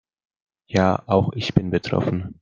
Ja, auch ich bin betroffen.